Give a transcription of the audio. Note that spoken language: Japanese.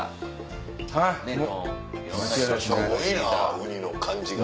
ウニの感じが。